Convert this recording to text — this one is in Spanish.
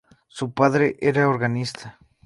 Su padre era organista.